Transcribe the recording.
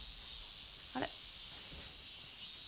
あれ？